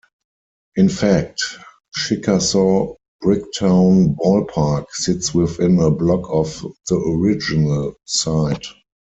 In fact, Chickasaw Bricktown Ballpark sits within a block of the original site.